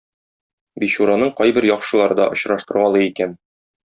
Бичураның кайбер яхшылары да очраштыргалый икән.